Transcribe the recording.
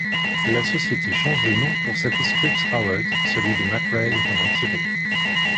La société change de nom pour s'appeler Scripps-Howard, celui de Mac Rae étant retiré.